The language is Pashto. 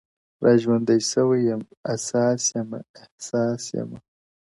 o را ژوندی سوی يم، اساس يمه احساس يمه،